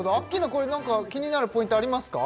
これ何か気になるポイントありますか？